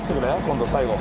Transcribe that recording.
今度最後。